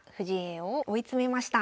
王を追い詰めました。